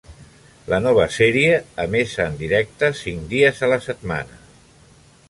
La nova sèrie emesa en directe, cinc dies a la setmana.